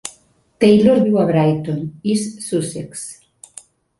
Taylor viu a Brighton, East Sussex.